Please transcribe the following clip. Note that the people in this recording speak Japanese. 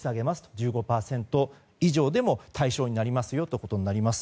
１５％以上でも対象になりますよということになります。